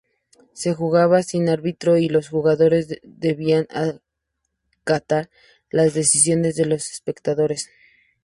Se jugaba sin árbitros y los jugadores debían acatar las decisiones de los espectadores.